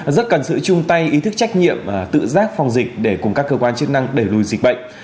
rất cần sự chung tay ý thức trách nhiệm tự giác phòng dịch để cùng các cơ quan chức năng đẩy lùi dịch bệnh